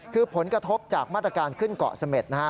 คือผลกระทบจากมาตรการขึ้นเกาะเสม็ดนะฮะ